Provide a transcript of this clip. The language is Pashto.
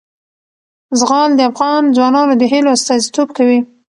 زغال د افغان ځوانانو د هیلو استازیتوب کوي.